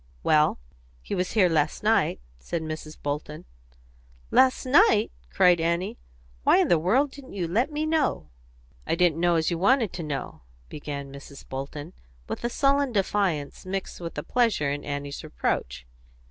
"Well, he was here last night," said Mrs. Bolton. "Last night!" cried Annie. "Why in the world didn't you let me know?" "I didn't know as you wanted to know," began Mrs. Bolton, with a sullen defiance mixed with pleasure in Annie's reproach.